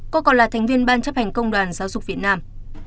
cô còn là thành viên ban chấp hành công đoàn giáo dục việt nam